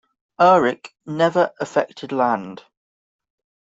Erick never affected land.